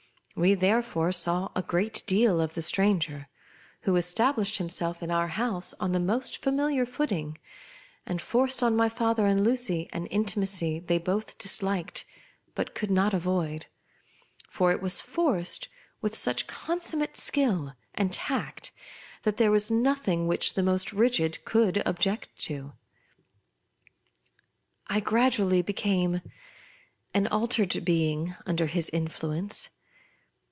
We therefore saw a great deal of the stranger, w^ho established himself in our house on the most familiar footing, and forced on my father and Lucy an intimacy they both disliked but could not avoid. For it was forced with such consummate skill and tact, that there was nothing which the most rigid could object to. I gradually became an altered being under his influence.